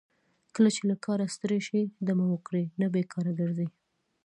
کله چې له کاره ستړي شئ دمه وکړئ نه بیکاره ګرځئ.